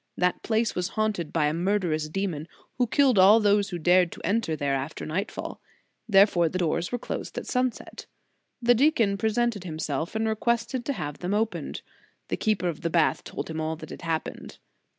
That place was haunted by a murderous demon, who killed all those who dared to enter there after nightfall, therefore the doors were closed at sunset. The deacon presented himself and requested to have them opened. The keeper of the bath told him all that had happened.